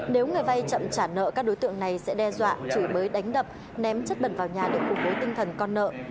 nếu người vay chậm trả nợ các đối tượng này sẽ đe dọa chửi bới đánh đập ném chất bẩn vào nhà để phục hồi tinh thần con nợ